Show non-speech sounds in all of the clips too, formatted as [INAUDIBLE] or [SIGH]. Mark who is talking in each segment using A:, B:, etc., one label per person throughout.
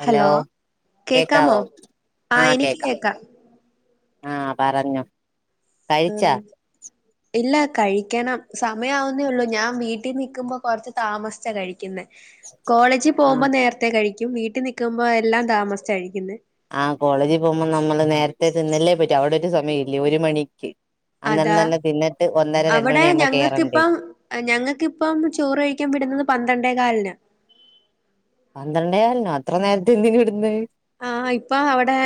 A: Hello
B: കേക്കാമോ
A: കേക്കാവോ ആഹ
B: ആഹ് എനിക്ക്
A: കേക്കാം ആഹ പറഞ്ഞൊ കഴിച്ചാ
B: ആഹ് ഇല്ല കഴിക്കണം സമയവുന്നേ ഉള്ളൂ ഞാൻ വീട്ടിൽ നിൽക്കുമ്പോ കൊറച്ച് താമസിച്ചാ കഴിക്കുന്ന കോളേജിൽ
A: ആഹ്
B: പോകുമ്പോ നേരത്തെ കഴിക്കും വീട്ടിൽ നിക്കുമ്പോ എല്ലാം താമസിച്ച കഴിക്കുന്നു
A: ആഹ കോളേജിൽ പോകുമ്പൾ നമ്മള് നേരത്തെ തിന്നല്ലേ പറ്റും അവിടെ ഒരു സമയം ഇല്ലേ ഒരു മണിക്ക് അന്നരം
B: അതാ
A: തന്നെ തിന്നിട്ട് ഒന്നര രണ്ട്
B: അവിടെ
A: മണിയാകുമ്പോ കേറണ്ടേ
B: ഞങ്ങൾക്കിപ്പം ഞങ്ങൾക്കിപ്പം ചോറ് കഴിക്കാൻ വിടുന്നത് പന്ത്രണ്ട് പന്ത്രണ്ടേ കാലിന്
A: പന്ത്രണ്ടേ കാലിനോ അത്ര നേരത്തെ എന്തിന് വിടുന്നേ
B: ആ ഇപ്പൊ അവിടെ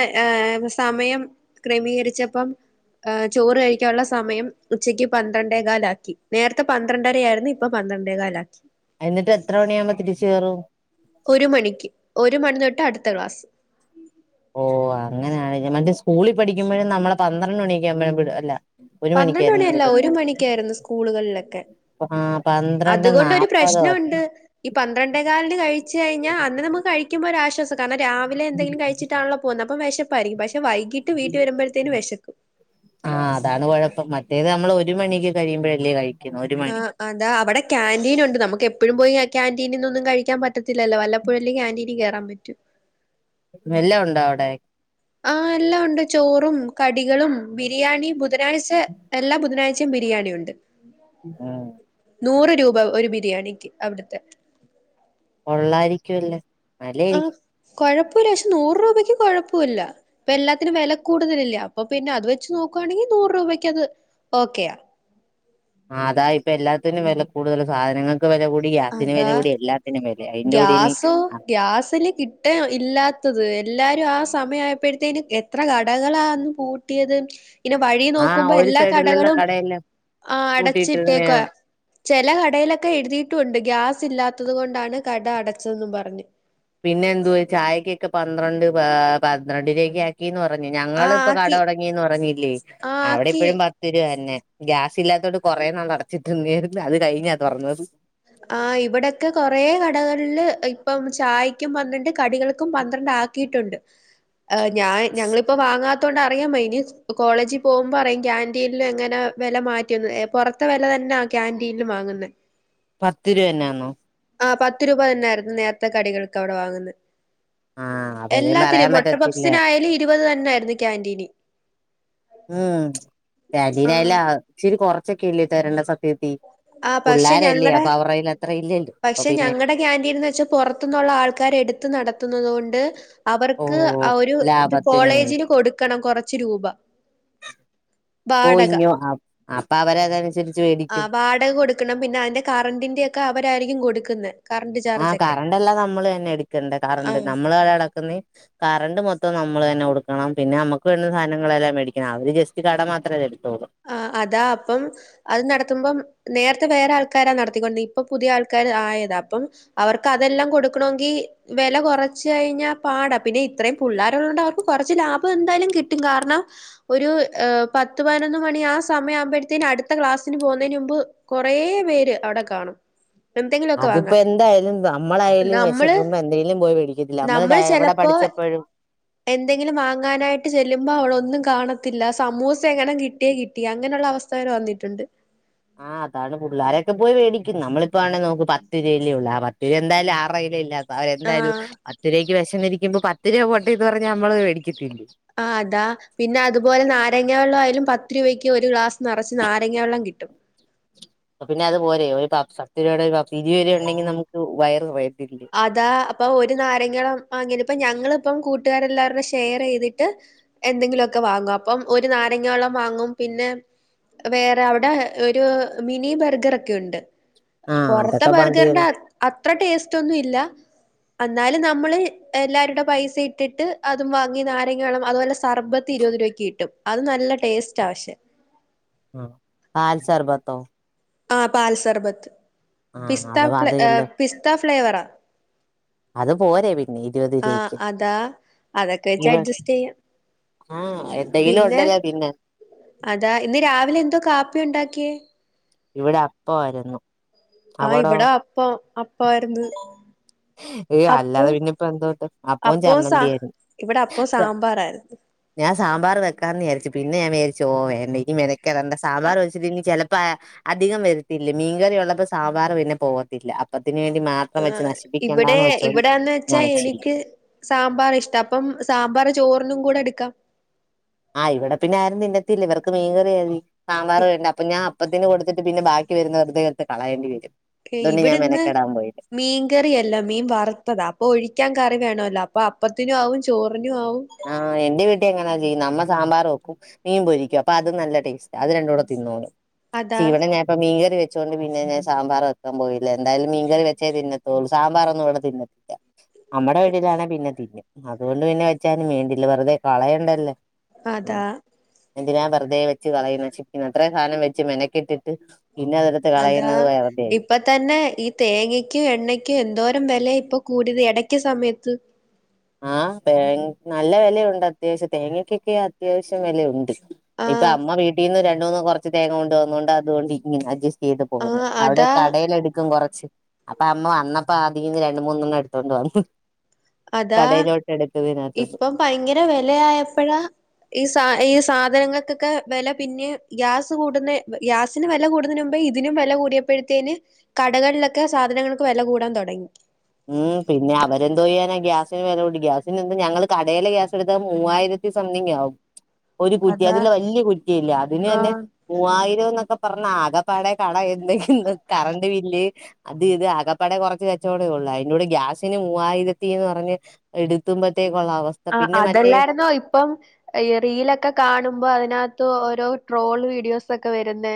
B: സമയം ക്രമീകരിച്ചപ്പം ആ ചോറ് കഴിക്കാനുള്ള സമയം ഉച്ചക്ക് പന്ത്രണ്ടേകാല ആാക്കി നേരത്തെ പന്ത്രണ്ടര ആായിരുന്നു ഇപ്പൊ പന്ത്രണ്ടേ കാലിന് ആക്കി
A: എന്നിട്ട്എത്ര മണിയ ആവുമ്പോ തിരിച്ചു കയറും
B: ഒരു മണിക്ക് ഒരു മണി തൊട്ട് അടുത്ത ക്ലാസ്സ്
A: ഓ അങ്ങനെയാണ് സ്കൂളിൽ പഠിക്കുമ്പോഴും നമ്മളെ പന്ത്രണ്ട് മണിക്ക് ആുമ്പഴും വിടുംല്ല
B: പന്ത്രണ്ട് മണിയല്ല ഒരു മണിക്കായിരുന്നു സ്കൂളുകളിലൊക്കെ
A: ആ പറ
B: അതുകൊണ്ട്ൊ ഒരു പ്രശ്നംുണ്ട് ഈ പന്ത്രണ്ടേ കാലന് കഴിച്ചു കഴിഞ്ഞാൽ അന്ന് നമ്മുക്ക് കഴിക്കുമ്പോ ഒരു ആശ്വാസം കാരണം രാവിലെ എന്തെങ്കില കഴിച്ചിട്ടാണോ പോുന്നത് അപ്പം വിശപ്പായിരിക്കും പക്ഷെ വൈകിട്ട് വീട്ട വരുമ്പോഴത്തേന് വിശക്കും
A: അ മറ്റേത് നമ്മൾ ഒരു മണിക്ക് കിയുമ്പോഴ അല്ലേ കഴിക്കും
B: ആ അന്താ അവിടെ കാക്യാാന്റീൻ ഉണ്ട് നമുക്ക് എപ്പോഴും പോയി ക്യാാന്റീനിൽന്നൊന്നും കഴിക്കാൻ പറ്റത്തില്ലല്ലോ വല്ലപ്പുഴല് ക്യാാന്റീനി കയറാൻ പറ്റും
A: വെള്ളഉണ്ടോ അവിടെ
B: ആഹ എല്ലാം ഉണ്ട് ചോറും കടികളും ബിരിയാണി ബുധനാഴ്ച എല്ലാ ബുധനാഴ്ച ബിരിയാണി ഉണ്ട്
A: ഉം
B: രൂപ ഒരു ബിരിയാണിക്ക് അവിടുത്തെ
A: കെള്ളായിരിക്കും അല്ലേ നലായിയിരിക്കും
B: കൊഴപ്പമില്ല പക്ഷെ നൂറു രൂപയ്ക്ക് കുഴപ്പമില്ല ഇപ്പ എല്ലാത്തിനും വില കൂടുതലില്ല അപ്പൊ പിന്നെ അത് വെച്ച് നോക്ക ണെങ്കിൽ നൂറ രൂപയ്ക്ക് അത് ഓക്കെയ
A: ആ അതാ ഇപ്പ എല്ലാത്തിനും വില കൂടുതൽ സാധനങ്ങൾ
B: അതാ
A: അതിന്റെ കൂടി ഇനി
B: ഗ്യാസോ ഗ്യാസിി നി കിട്ട ഇല്ലാ ത്തത് എല്ലാരും ആ സമയയപ്പോഴത്തേും എത്ര കടകളാന്ന് പൂട്ടിയത് പിന്നെ വഴി
A: ആ
B: നോക്കുമ്പോ
A: ഒരു
B: എല്ലാ
A: സൈഡിലുള്ള
B: കടകളും
A: കടയെല്ലാം
B: ആ അടച്ചി ഇട്ടേക്ക
A: പൂട്ടിയിട്ടിരുന്നയാ
B: ചില കടയിലൊക്കെ എഴുതിട്ട ണ്ട് ഗ്യാസ് ഇല്ലാത്തത് കൊണ്ടാണ് കട അടച്ചതെന്നും പറഞ്ഞ്
A: പിന്നെ എന് ചായക്കൊക്കെ പന്ത്രണ്ട് പന്ത്രണ്ടരൊക്കെ ആക്കിന്ന് പറഞ്ഞ പറഞ്ഞു
B: ആഹ്
A: ഞങ്ങിപ്പൊ കട
B: ആക്കി
A: തുടങ്ങിന്ന് പറഞ്ഞില്ലേ
B: ആഹ്
A: അവിടെ
B: ആക്കി
A: ഇപ്പഴും പത്ത് രരുപ തന്നെ ഗ്യാസ് ഇല്ലാത്തോട് കുറെേ നാൾ അടച്ചിട്ടന്നായിരുന്നു അത് കഴിഞ്ഞാ തുറന്നത്
B: ആ് ഇവിടെൊക്കെ കൊറെ കടകളില് ഇപ്പം ചായക്കും പന്ത്രണ്ട് കടികൾക്കും പന്ത്രണ്ട് ആക്കിയിട്ടുണ്ട് ഞ ഞങ്ങളിപ്പോ വാങ്ങാത്ത വാങ്ങാത്തോണ്ട് അറിയാന് വയ്യ ഇനി കോളേജിൽ പോകുമ്പോൾ അറിയാം കാന്റീനിൽ എങ്ങനെയാണ് വില മാറ്റിയതെന്ന്. പുറത്തുള്ള വില തന്നെയാണോ ന്ന കാന്റീനിൽ വാങ്ങുന്ന
A: പത്ത് രൂപ തന്നെയന്നോ
B: ആ പത്ത് രൂപ തന്നൊയിരുന്നു നേരത്തെ കടികൾക്ക് അവിടെ വാങ്ങുന്നത്
A: ആഹ് അവരേം പറയാൻ
B: എല്ലാത്തിനും മുട്ട
A: പറ്റത്തില്ല
B: പപ്സിനായാലും ഇരുപത് തന്നൊയിരുന്നു കാക്യാാന്റീനി
A: ഉം കാന്റീനിൽ
B: ആഹ്
A: ഇച്ചിരി കുറച്ചൊക്കെ ഇല്ലേ തരേണ്ട സത്യത്തി
B: പക്ഷെ
A: പുള്ളാരലെയോ
B: ഞങ്ങടെ
A: അല്ലയോ അവർയിടെ കൈയിൽ
B: പക്ഷെ ഞങ്ങളടെ കാന്റീനെന്നു വെച്ചാ പുറത്തുനൊള്ള ആൾക്കാര് എടുത്തു നടത്തുന്നത് കൊണ്ട്
A: ഓ
B: അവർക്ക് ഒരു ഇത്
A: ലാഭത്തിന് വേണ്ടി
B: കോളേജിന് കൊടുക്കണം കൊറച്ച് രൂപ വാടക.
A: പോയിഞ്ഞോ അപ്പൊ അവര അതനുസരിച്ച്
B: ആ
A: മേടിക്കും
B: വാടക കൊടുക്കണം പിന്നെ അതിന്റെ കറണ്ടിന്റെ ഒക്കെ അവരായിരിക്കും കൊടുക്കുന്നെ കറണ്ട്
A: ആ
B: ചാർജൊക്കെ.
A: കറണ്ട് എല്ലാം നമ്മള് തന്നെ എടക്കണ്ട കറണ്ട്
B: ആഹ്
A: നമ്മള് ഇവിടെ എടക്കുന്ന കറണ്ട് മൊത്തം നമ്മളെ തന്നെ കൊടുകണം പിന്നെ നമക്ക് വേണ്ടുന്ന സാധനങ്ങളെല്ലാം മേടിക്കണം അവര് ജസ്റ്റ് കട മാത്ര തരു
B: ആഹ് അതാ അപ്പം അത് നടത്തുമ്പം നേർ വേറെ ആൾക്കാര നടത്തികൊണ്ടിരുന്നെ ഇപ്പൊ പുതിയ ആൾക്കർ ആയത അപ്പം അവർക്ക് അതെല്ലാം കൊടുക്കണെങ്കി വില കുറച്ച് കഴിഞ്ഞാൽ പാടാ പിന്നെ ഇത്രയും പുള്ളോരുള്ളോണ്ട് അവർക്ക് കുറച്ച് ലാഭം എന്തായാലും കിട്ടും കാരണം ഒരു പത്ത് പതിനൊന്നു മണി ആ സമയം ആവുമ്പോഴത്തേന് അടുത്ത ക്ലാസ്സിന് പോകുന്നതിന് മുമ്പ് കുറേ പേര് അവിടെ കാണും എന്തെങ്കിലുമൊക്കെ
A: അതിപ്പോ
B: വാങ്ങാൻ
A: എന്തായാലും നമ്മളായാലും
B: നമ്മള്
A: വിശക്കുമ്പോ എന്തെങ്കലും പോയി മേടിക്കത്തില്ലെ നമ്മള് എവിടെ പഠിച്ച എപ്പഴാ
B: എന്തെങ്കിലും വാങ്ങാനായിട്ട് ചെല്ലുമ്പോൾ അവിടൊന്നും കാണത്തില്ല സമൂസ എങ്ങനും കിട്ടിയാ കിട്ടി അങ്ങനെയുള്ള അവസ്ഥ വരെ വന്നിട്ടുണ്ട്
A: നമ്മളിപ്പാണെേ നോക്ക് പത്ത് രൂപയല്ലേ ഉള്ള ആ പത്ത് രൂപ എന്തായാലും ആർടെ കൈയിലാ ഇല്ലാത്തെ അപ്പം എന്തായാലും
B: ആഹ്
A: പത്ത് രൂപയ്ക്ക് വിശനിരിക്കുമ്പോ പത്ത് രൂപ പൊട്ട് എന്നു പറഞ്ഞു നമ്മളെ മേടിക്കത്തില്ലേ
B: ആഹ് അതാ പിന്നെ അതുപോലെ നാരങ്ങ വെള്ളം ആയാലും പത്ത് രൂപയ്ക്ക് ഒരു ഗ്ലാസ് നറച്ച് നാരങ്ങ വെള്ളം കിട്ടും
A: അപ്പം പിന്നെ അതു പോര പത്തു രൂപടെ ഒരു പ ഇരുപതു രൂപ ഉണ്ടെങ്കിൽ നമുക്ക് വയറു നിറയും
B: അതാ അപ്പൊ ഒരു നാരങ്ങ വാങ്ങിത് അപ്പൊ ഞങ്ങളിപ്പം കൂട്ടുകാരെല്ലാവരുടെ ഷെയർ ചെയ്തിട്ട് എന്തെങ്കിലുവൊക്കെ വാങ്ങും അപ്പം ഒരു നാരങ്ങവെള്ളം വാങ്ങും പിന്നെ വേറെ അവിടെ ഒരു മിനി ബർഗറൊക്കെ ഉണ്ട്
A: ആഹ്
B: പൊറത്തെ
A: അതൊക്കെ
B: ബർഗറിന്റെ
A: മതിയല്ലോ
B: അത്ര ടേസ്റ്റ് ഒന്നും ഇല്ല എന്നാലും നമ്മള് എല്ലാവരുടെ പൈസ ഇട്ടിട്ട് അതും വാങ്ങി നാരങ്ങാവെള്ളം അതുപോലെ സർബത്തിരുപതു കിട്ടും അത് നല്ല ടേസ്റ്റ് പക്ഷേ
A: ഉം പാൽസർബത്തോ
B: ആഹ് പാൽ സർബത്ത്
A: ആഹ്
B: പിസ്ത്
A: അത് മതിയല്ലോ
B: പിസ്ത ഫ്ലേവറാ
A: അത് പോരെ പിന്നെ ഇരുപതു
B: ആഹ്
A: രൂപക്ക്
B: അതാ അതൊക്കെ
A: ഇ
B: വെച്ച് അഡ്ജസ്റ്റ് ചെയ്യാം
A: ആഹ് എന്തെങ്കിലും
B: പിന്നെ
A: ഉണ്ടല്ലോ തിന്നാൻ
B: അതാ ഇന്ന് രാവിലെ എന്താ കാപ്പി ഉണ്ടാക്കിയേ
A: ഇവിടെ അപ്പം ആരുന്നു
B: ആഹ് ഇവിടാ അപ്പം അപ്പാരുന്നു
A: ഏയ് അല്ലാതെ പിന്നെ ഇപ്പോ എന്തോണ്ട് അപ്പോ ചമ്മന്തിയാരുന്നു
B: ഇവിടെ അപ്പവും സാമ്പാറായിരുന്നു
A: ഞാൻ സാമ്പാർ വെയ്ക്കാന്നു വിച്ചാരിച്ച് പിന്നെ ഞാൻ വിചാരിച്ചു ഓഹ് വേണ്ട ഇനി മെനകെടണ്ട സാമ്പാർ വെച്ചിട്ട് ചിലപ്പോ അധികം വരത്തില്ലേ മീൻ കറി കറി ഉള്ളപ്പോ സാമ്പാർ പിന്നെ പോകത്തില്ല അപ്പത്തിനെ വേണ്ടി മാത്രം വെച്ച്
B: ആഹ്
A: നശിപ്പിക്ക
B: ഇവിടെ ഇവിടെന്ന് വെച്ചാ എനിക്ക് സാമ്പാർ ഇഷ്ടാ അപ്പം സാമ്പാർ ചോറി കൂടെ എടുക്കാം
A: ആഹ് ഇവിടെ പിന്നെ ആരും തിന്നത്തില്ല ഇവർക്ക് മീൻ കറി മതി സാമ്പാർ വേണ്ട അപ്പൊ ഞാൻ അ അപ്പത്തിന് കൊടുത്തിട്ട് പിന്നെ ബാക്കി വരുന്ന വെറുതെ എടുത്ത് കളയണ്ടി വരും
B: ഏഹ്
A: അതുകൊണ്ട്
B: ഇവിടെ
A: ഞാൻ
B: ഇന്ന്
A: മെനക്കെടാൻ പോയില്ല
B: മീൻകറിയല്ല മീൻ വറുത്തതാ അപ്പൊ ഒഴിക്കാൻ കറി വേണല്ലോ അപ്പൊ അപ്പത്തിനും ആവും ചോറിനും ആവും
A: ആഹ് എന്റെ വീട്ടി എങ്ങനാ നമ്മ സാമ്പാർ വെക്കും മീൻ പൊരിക്കും അപ്പൊ അത് നല്ല ടേസ്റ്റാ അത് രണ്ടും കൂടെ തിന്നോളും
B: അതാ
A: ഇവിടെ ഞാനിപ്പം മീൻകറി വെച്ച ച്ചൊണ്ട് പിന്നെ ഞാൻ സാമ്പാറു വെക്കാൻ പോയില്ല എന്തായാലും മീൻകറി വെച്ചേ തിന്നത്തൊള്ളൂ സാമ്പറൊന്നും ഇവിടെ തിന്നത്തില്ല നമ്മടെ വീട്ടിലാണെ പിന്നെം തിന്നും അതുകൊണ്ട് പിന്നെ വെച്ചാലും വേണ്ടില്ല വെറുതെ കളയണ്ടല്ലോ
B: അതാ
A: എന്തിനാ വെറുതെ വെച്ച് കളയുന്നെ ചിക്കുന്ന അത്രം സാധനം വെച്ച് മെനക്കെട്ടിട്ട് പിന്നെ അതെടുത്ത്
B: അതാ
A: കളയുന്നത് വെറുതെ
B: ഇപ്പ
A: ആയിപ്പോവും
B: തന്നെ ഈ തേങ്ങക്കും എണ്ണക്കും എന്തോ രം വില ഇപ്പൊ കൂടിയത് ഇടയ്ക്ക് സമയത്ത്
A: ആഹ് തേ നല്ല വിലയുണ്ട് അത്യാവശ്യം തേങ്ങക്കൊക്കെ അത്യാവശ്യം വിലയുണ്ട് പ്പൊ
B: ആഹ്
A: അമ്മ വീട്ടീന്ന് രണ്ടൂന്ന് കുറച്ച് തേങ്ങ കൊണ്ട് വന്നൊണ്ട് അതൊണ്ട് ഇങ്ങനെ അട്ജസറ്റ് ചെയ്തു പോകുന്നു
B: ആഹ്
A: അവിടെ
B: അതാ
A: കടയിലെടുക്കും കൊറെ ച്ച് അപ്പ അമ്മ വന്നപ്പോ അതീന്ന് രണ്ട മൂന്നെണ്ണം എടുത്തോണ്ട് വന്നു
B: അതാ
A: കടയിലോട്ട് എടുക്കും ഇതിനകത്തുന്ന്
B: ഇപ്പം ഭയങ്കര വിലയയപ്പോഴ് ഈ സ ഈ സ നങ്ങൾക്കൊക്കെ വില പിന്നെ ഗ്യാസ് കൂടുന്ന ഗ്യാസിന് വില കൂടുന്നതിന് മുമ്പേ ഇതിനും വില കൂടിയപ്പോഴത്തേനെ ന് കടകളിലൊക്കെ സാധനങ്ങൾക്ക് വില കൂടാൻ തുടങ്ങി
A: ഉം പിന്നെ അവരെന്തോ ചെയ്യാനാ ഗ്യാസ് തിന് വിലകൂടി ഗ്യാസി നി ഞങ്ങള് കടയിലെ ഗ്യാസ് എടുത്താ മൂവായിരത്തി സംതിങ്ങാകും ഒരു കുറ്റി
B: അതാ
A: അതില് വല്യ കുറ്റില്ലെ അതിന് തന്നെ
B: ആഹ്
A: മൂവായിരം ന്നൊക്കെ പർഞ്ഞ ആകെ പാടേ കട എന്തേ ഇന്ന് കറണ്ട് ബില്ല് അത് ഇത് അകപ്പടെ കുറച്ച് കച്ചവ ടെ ഉള്ളോ ഐനോട് ഗ്യാസിന് മൂവായിരത്തിന്ന് പറഞ്ഞ് എടുത്തുമ്പത്തേ
B: ആഹ് അതല്ലായിരുന്നോ ഇപ്പം ഈ റീലൊക്കെ കാണുമ്പോ അതിനക ത്തോ ഓരോ ട്രോൾ വീഡിയോസ് ഒക്കെ വരുന്നെ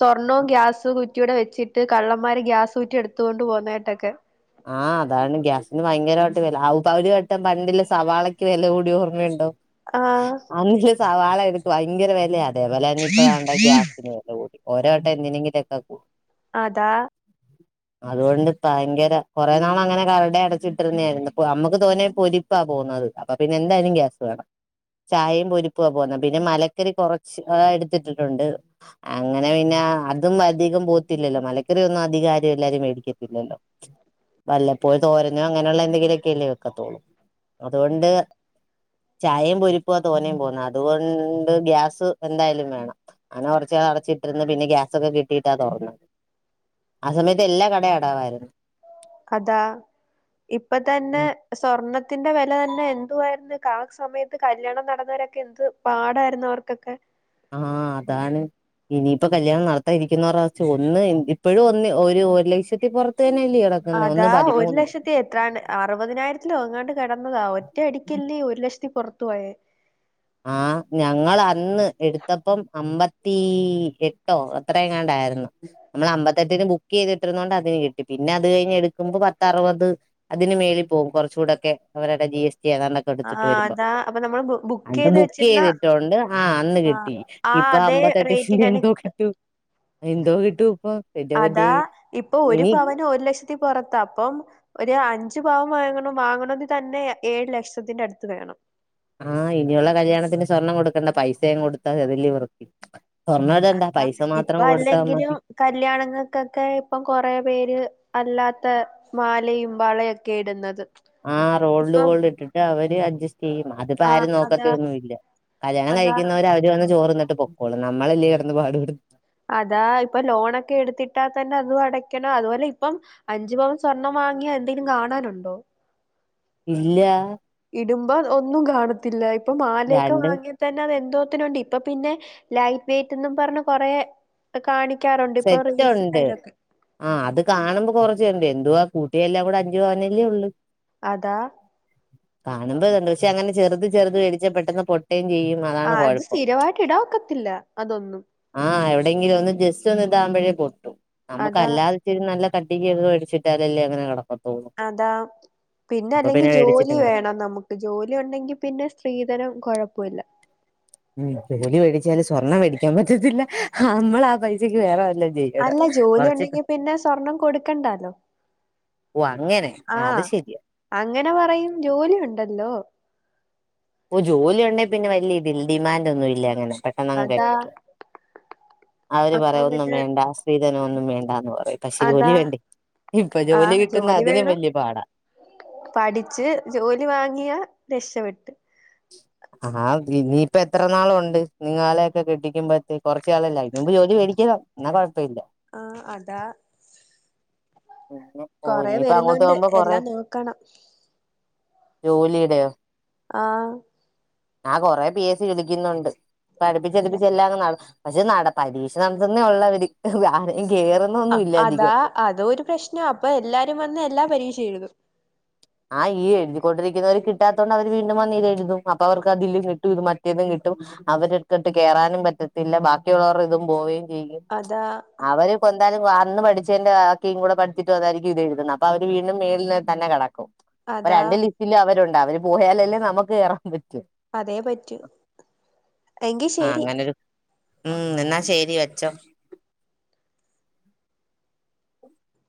B: സ്വർണോം ഗ്യാസു കു ഇവടെ വെച്ചിട്ട് കള്ളന്മാര് ഗ്യാസൂറ്റി എടുത്ത് കൊണ്ട് പോന്നായിട്ടൊക്കെ
A: ആഹ് അതാണ് ഗ്യാസിന് ഭയങ്കരമായിട്ട് വില അവര് വട്ടം പണ്ടില്ല സവാളക്ക് വില കൂടി ഓർമ്മയുണ്ടോ
B: ആഹ്
A: അന്ന് സവാളായി ഭയങ്കര വെലയാ അതേപോലെ തന്നിപ്പ താണ്ടെ ഗ്യാസിന് വിലകൂടി ഓരോവട്ടം എന്തിനെങ്കിലു ഒക്കെ കൂടും
B: അതാ
A: അതുകൊണ്ട് ഭയങ്കര കുറേ നാളങ്ങന കട അടച്ചിട്ടിരുന്നായിരുന്നു നമുക്ക് തോന്യ പൊരിപ്പാ പോകുന്നത് അപ്പൊ പിന്നെ എന്തായാലും ഗ്യാസ് വേണം ചായയും പൊരിപ്പുവാ പോന്നെ പിന്നെ മലക്കറി കുറച്ച് എടുത്തിട്ടിട്ടുണ്ട് അങ്ങനെ പിന്നെ ആ അതും അധികം പോകത്തിലല്ലോ മലക്കറി ഒന്നും അധിക ആരും എല്ലാരും മേടിക്കത്തില്ലല്ലോ വല്ലപ്പോഴും തോരനോ അങ്ങനെയുള്ള എന്തെങ്കിലുമൊക്കെല്ലേ വെക്കത്തൊള്ള് അതുകൊണ്ട് ചായേം പൊരിപ്പുവാ തോന്നേം പോന്നേ അതുകൊണ്ട് ഗ്യാസ് എന്തായാലും വേണം അങ്ങനെ കൊറച്ച് അടച്ചിട്ടിരിന്ന് പിന്നെ ഗ്യാസൊക്കെ കിട്ടിയിട്ടാ തൊറന്നെ ആ സമയത്ത് എല്ലാ കടെ അടവായിരുന്ന്
B: അതാ ഇപ്പ തന്നെ സ്വർണത്തിന്റെ വില തന്നെ എ ന്തുവായിരുന്നു കാ സമയത്ത് കല്യാണം നടന്നവരൊക്കെ എന്ത് പാടായിരുന്നു അവർക്കൊക്കെ
A: ആ അതാണ് ഇനിയിപ്പ കല്യാണം നടത്താ ഇരിക്കുന്നവർടെ അവസ്ഥയോ ഒന്ന് ഇപ്പോഴും ഒന്ന് ഒര് ഒരു ലക്ഷത്തി പൊറത്ത്
B: അതാ ഒരു ലക്ഷത്തി എത്രാണ് അറുപതിനായിരത്തിലോ എങ്ങാണ്ട് കിടന്നതാ ഒറ്റയടിക്കല്ലേ ഒരു ലക്ഷ ത്തിപ്പൊറത്തു പോയേ
A: ആ ഞങ്ങൾ അന്ന് എടുത്തപ്പം അമ്പ ത്തി എട്ടോ അത്രയുംങ്ങാണ്ടായിരുന്നു നമ്മൾ അമ്പത്തെട്ടിന് ബുക്ക് ചെയ്തിട്ടിരുന്നോണ്ട് അതിന് കിട്ടി പി ന്നത് കഴിഞ്ഞ് എടുക്കുമ്പോ പത്ത അറുപത് അതിന് മേളി പോകും കുറച്ചുടൊക്കെ അവരുടെ ജി എസ് ടി ഏതാണ്ടൊക്കെ
B: ആഹ്
A: എടുത്തിട്ട് വരുമ്പോ
B: അതാ അപ്പൊ നമ്മള് ബു ചെയ്ത്
A: ബുക്ക്
B: വെച്ചിരുന്ന
A: ചെയ്തിട്ടോണ്ട് ആ അന്ന്
B: ആഹ്
A: കിട്ടി
B: ആ
A: ഇപ്പൊ
B: അതേ
A: [UNINTELLIGIBLE]
B: റേറ്റിനന്നെ
A: എന്തോ കിട്ടും എന്തോ കിട്ടും എന്റെ പൊന്നേ
B: അതാ ഇപ്പൊ ഒരു
A: ഇനി
B: പവന് ഒരു ലക്ഷത്തി പുറത്താ അപ്പം ഒരു അഞ്ച് പവൻ വാങ്ങണം വാങ്ങണങ്കി തന്നെ ഏഴ് ലക്ഷത്തിന്റെ അടുത്ത് വേണം
A: ആ ഇനിയുള്ള കല്യാണത്തിന് സ്വർണം കൊടുക്കണ്ട പൈസയങ്ങു കൊടുത്താമതി അതല്ലെ വൃത്തി സ്വർണ്ണം ഇടണ്ട
B: അ
A: പൈസ
B: ഇപ്പൊ
A: മാത്രം കൊടുത്താ മതി
B: അല്ലെങ്കിലും കല്യാണങ്ങൾക്കൊക്കെ ഇപ്പൊ കൊറേ പേര് അല്ലാത്ത മാലയും വളേം ഒക്കെ ഇടുന്നത്
A: ആ റോൾഡ്
B: ഇപ്പം
A: ഗോൾഡ് ഇട്ടിട്ട് അവര് അഡ്ജസ്റ്റ് ചെയ്യും അതിപ്പോ
B: ആഹ്
A: ആരും നോക്കത്തി
B: അതാ
A: ഒന്നും ഇല്ല കല്യാണം
B: അതാ
A: കഴിക്കുന്നവര് അവര് വന്ന് ചോറിന്ന ട്ട് പൊക്കോളും നമ്മളല്ലേ കെടന്ന് പാട്പെടു
B: അതാ ഇപ്പ ലോണൊക്കെ എടുത്തിട്ടാ തന്നെ അതുവടക്കണം അതുപോലെ ഇപ്പം അഞ്ചു പവൻ സ്വർണം വാ വാങ്ങിയ എന്തേലും കാണാനുണ്ടോ?
A: ഇല്ല.
B: ഇടുമ്പോ ഒന്നും കാണത്തില്ല ഇപ്പം മാലയൊക്കെ
A: രണ്ടും
B: വാങ്ങിയാ തന്നെ അതെന്തോ ത്തിനുണ്ട് ഇപ്പ പിന്നെ ലൈറ്റ് വെയിറ്റന്നും പറഞ്ഞ് കൊറേ കാണി
A: സെറ്റൊണ്ട് ആ അത് കാണുമ്പ കൊറച്ചെണ്ട് എന്തുവാ കൂട്ടിയാ എല്ലാം കൂടെ അഞ്ചുപവനല്ലേ ഒള്ള്.
B: അതാ
A: കാണുമ്പോ ഇതുണ്ട് പക്ഷെ അങ്ങനെ ചെറുത് ചെറുത് മേടിച്ചാ പെട്ടന്ന് പൊട്ടേ ചെയ്യും
B: ആ
A: അതാണ്
B: അത്
A: കൊഴപ്പം
B: സ്ഥിരവായിട്ട് ഇടാൻ ഒക്കത്തില്ല അതൊന്നും
A: ആ എവിടെങ്കിലു ഒന്ന് ജസ്റ്റ് ന്ന് ഇതാമ്പഴേ പൊട്ടും
B: അതാ
A: നമക്കല്ലാതെച്ചിരി നല്ല കട്ടിക്കൊക്കെ ‌വേടിച്ചിട്ടാലല്ലേ അങ്ങനെ കെട
B: അതാ പിന്നെ അല്ലെങ്കി ജോലി വേണം നമുക്ക് ജോലി ഒണ്ടെങ്കി പിന്നെ സ്ത്രീധനം കൊഴപ്പവില്ല
A: ഉം ജോലി മേടിച്ചാല് സ്വർണ്ണം മേടിക്കാൻ പറ്റത്തില്ല ഹമ്മളാ പൈസക്ക് വേറെ വല്ലോം ചെയ്യണം
B: അല്ല ജോലി
A: കൊറച്ച്
B: ഒണ്ടെങ്കി പിന്നെ സ്വർണം കൊടുക്കണ്ടാലോ.
A: ഓ അങ്ങനെ
B: ആ
A: അത് ശരിയാ
B: അങ്ങനെ പറയും ജോലി ഒണ്ടല്ലോ.
A: ഓ ജോലി ഒണ്ടെ പിന്നെ വെല്ല്യ ഇതിൽ ഡിമാൻഡ് ഒന്നും ഇല്ല അങ്ങനെ പെട്ടെന്നങ്ങ്
B: അതാ
A: കെട്ടിക്കോ. അവര്
B: അപ്പൊ
A: പറയും ഒന്നും
B: പിന്നെ
A: വേണ്ട സ്രീധനൊന്നും വേണ്ടാന്ന് പറയും പക്ഷെ ജോലി
B: അതാ
A: വേണ്ടേ? ഇപ്പ
B: ആ
A: ജോലി കിട്ടുന്ന അതിനും
B: വേണം
A: വല്യ പാടാ.
B: പഠിച്ച് ജോലി വാങ്ങിയാ രക്ഷപെട്ട്.
A: ആ ഇനീയിപ്പ എത്ര നാളൊണ്ട് നിങ്ങലയൊക്കെ കെട്ടിക്കുമ്പഴത്തെ കൊറച്ചാളല്ല അയിന് മുമ്പ് ജോലി വേടിക്ക. ച്ചോ എന്നാ കൊഴപ്പില്ല.
B: ആ അതാ
A: പിന്നെ ഓ
B: കൊറെ
A: ഇനിയിപ്പ അങ്ങോട്ട്
B: വരുന്നുണ്ട്
A: പോകുമ്പോ കൊറെ
B: എല്ലാം നോക്കണം
A: ജോലിടെയോ?
B: ആ
A: ആ കൊറേ പി എസ് സി വിളിക്കുന്നുണ്ട്
B: അത
A: പ്പഠിപ്പിച്ചടിപ്പിച്ച എല്ലാങ്ങ് ന പഷെ നട പരീക്ഷ നടത്തന്നെ ഒള്ളവര് അതിര്
B: അതാ അതോരു പ്രശ്നാ അപ്പ എല്ലാരും വന്ന് എല്ലാ പരീക്ഷ എഴുതും.
A: ആ ഈ എഴുതിക്കൊണ്ടിരിക്കുന്നവർ കിട്ടാത്തൊണ്ട് അവര് വീണ്ടും വന്നിതെഴുതും അപ്പവർക്ക് അതിലും കിട്ടും ഇത് മറ്റേതും കിട്ടും. ട്ടും അവരെടുത്തിട്ട് കേറാനും പറ്റത്തില്ല ബാക്കിയൊള്ളവർയിതും പോയി.
B: അതാ
A: അവര് പെന്താലും വാന്ന് പഠിച്ചെന്റെ ആക്കിം കൂടെ പഠിച്ചിട്ടു വന്നാരിക്കും ഇതെഴുതുന്ന അപ്പ അവര് വീണ്ടും മേൾല് തന്നെ കടക്കും. ഇപ്പ
B: അതാ
A: രണ്ട് ലിസ്റ്റിലും അവരൊണ്ട് അവര് പോയാലല്ലേ നമ്മുക്ക് കേറാൻ പറ്റു.
B: അതേ പറ്റൂ എങ്കി
A: ആ
B: ശെരി.
A: അങ്ങനൊരു ഉം എന്നാ ശെരി വെച്ചോ.